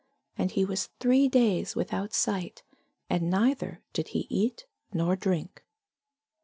And he was three days without sight, and neither did eat nor drink.